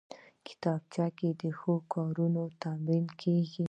کتابچه کې د ښو کارونو تمرین کېږي